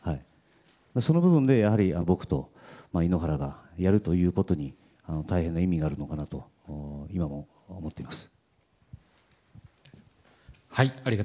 その部分で僕と井ノ原がやるということに大変な意味があるのかなと今も思っています。